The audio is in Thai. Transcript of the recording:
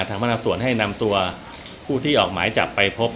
พนักสวนให้นำตัวผู้ที่ออกหมายจับไปพบ